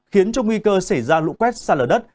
khiến cho nguy cơ xảy ra lũ quét xa lở đất